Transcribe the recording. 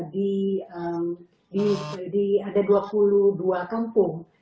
di ada dua puluh dua kampung